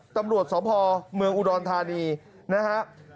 ตำรวจสะพอเมืองอุดรธานีนะครับ